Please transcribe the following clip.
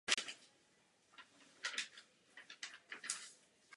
Avšak v tomto ohledu není srovnání úplně relevantní.